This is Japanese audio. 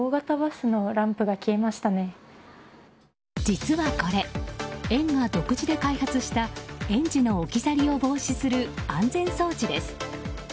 実はこれ園が独自で開発した園児の置き去りを防止する安全装置です。